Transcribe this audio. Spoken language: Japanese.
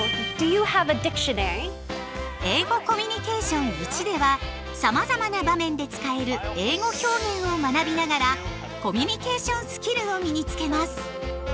「英語コミュニケーションⅠ」ではさまざまな場面で使える英語表現を学びながらコミュニケーションスキルを身につけます！